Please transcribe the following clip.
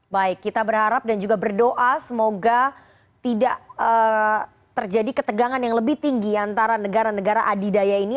baik kita berharap dan juga berdoa semoga tidak terjadi ketegangan yang lebih tinggi antara negara negara adidaya ini